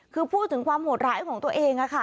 คือพูดถึงความโหดร้ายของตัวเอง